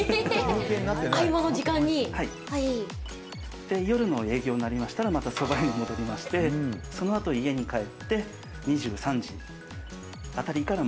で夜の営業になりましたらまたそば屋に戻りましてそのあと家に帰って２３時あたりからまた２３時間。